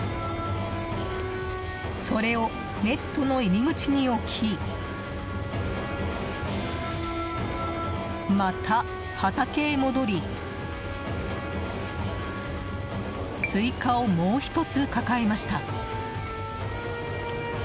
それをネットの入り口に置きまた畑へ戻りスイカをもう１つ抱えました。